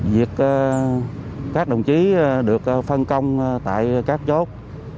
việc các đồng chí được phân công tại các chốt